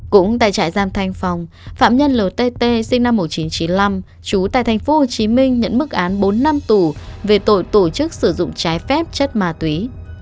cũng tại trại giam thanh phòng phạm nhân lt sinh năm một nghìn chín trăm chín mươi năm trú tại tp hcm nhận mức án bốn năm tù về tội tổ chức sử dụng trái phép chất ma túy